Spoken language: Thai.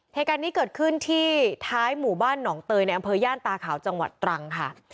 เหตุการณ์นี้เกิดขึ้นที่ท้ายหมู่บ้านหนองเตยในอำเภอย่านตาขาวจังหวัดตรังค่ะ